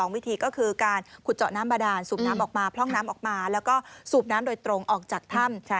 วิธีก็คือการขุดเจาะน้ำบาดานสูบน้ำออกมาพร่องน้ำออกมาแล้วก็สูบน้ำโดยตรงออกจากถ้ำ